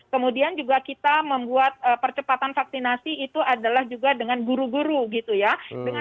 kemudian juga kita membuat percepatan vaksinasi itu adalah juga dengan guru guru gitu ya